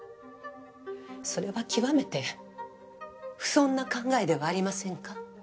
それは極めて不遜な考えではありませんか？